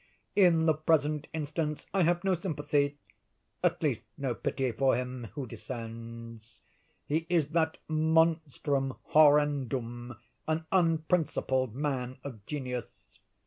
In the present instance I have no sympathy—at least no pity—for him who descends. He is that monstrum horrendum, an unprincipled man of genius.